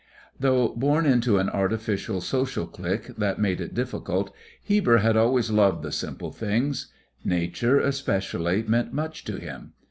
Though born into an artificial social clique that made it difficult, Heber had always loved the simple things. Nature, especially, meant much to him.